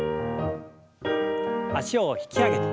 脚を引き上げて。